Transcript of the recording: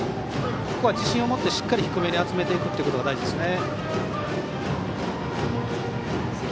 自信を持ってしっかり低めに集めていくのが大事ですね。